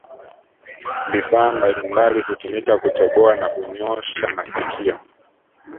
Vifaa mbalimbali hutumika kutoboa na kunyosha masikio